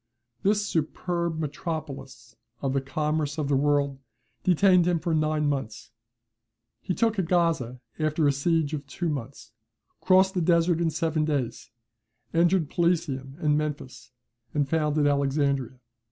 This superb metropolis of the commerce of the world detained him nine months. He took Gaza after a siege of two months; crossed the Desert in seven days; entered Pelusium and Memphis, and founded Alexandria.